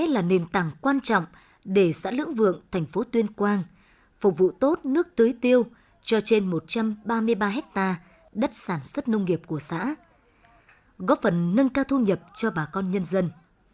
là nền tảng quan trọng để xã lưỡng vượng thành phố tuyên quang phục vụ tốt nước tưới tiêu cho trên một trăm ba mươi ba hectare đất sản xuất nông nghiệp của xã góp phần nâng cao thu nhập cho bà con nhân dân